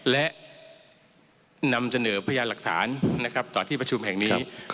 และนำเชนอเพญี่ยลหลักฐานต่อที่ประชุมแห่งนี้